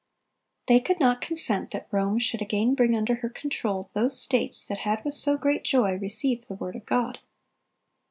They could not consent that Rome should again bring under her control those states that had with so great joy received the word of God.